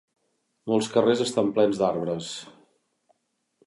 Molts carrers estan plens d'arbres.